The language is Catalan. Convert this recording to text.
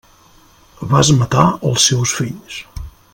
Vas matar els seus fills.